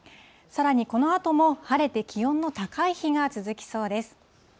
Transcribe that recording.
さらにこのあとも晴れて、気温の高い日が続きそうです。